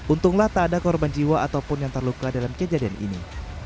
untunglah tak ada korban jiwa ataupun yang terluka dalam kejadian ini